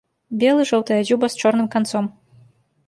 Белы, жоўтая дзюба з чорным канцом.